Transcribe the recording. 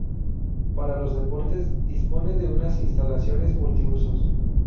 Para los deportes, dispone de unas instalaciones multiusos.